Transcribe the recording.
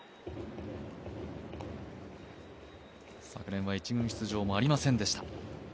昨年は１軍出場もありませんでした。